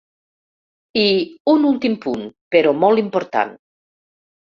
I un últim punt, però molt important.